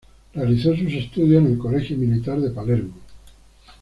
Realizó sus estudios en el Colegio Militar de Palermo.